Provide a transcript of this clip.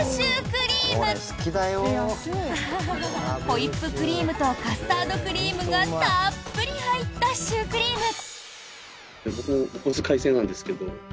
ホイップクリームとカスタードクリームがたっぷり入ったシュークリーム！